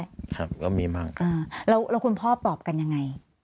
ก็มีบ้างครับก็มีบ้างครับแล้วคุณพ่อปลอบกันยังไง